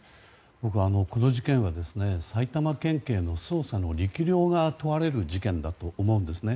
僕、この事件は埼玉県警の捜査の力量が問われる事件だと思うんですね。